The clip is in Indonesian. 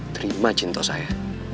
terima cinta saya